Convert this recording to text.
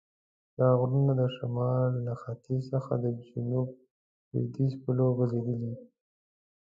دا غرونه د شمال له ختیځ څخه د جنوب لویدیځ په لور غزیدلي.